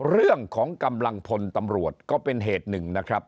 เรื่องของกำลังพลตำรวจก็เป็นเหตุหนึ่งนะครับ